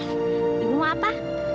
ibu mau apa